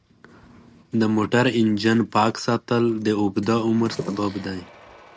د موټر انجن پاک ساتل د اوږده عمر سبب دی.